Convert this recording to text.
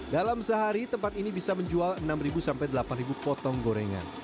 dalam sehari tempat ini bisa menjual enam sampai delapan potong gorengan